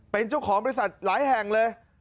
เป็นเจ้าของบริษัทหลายแห่งเลย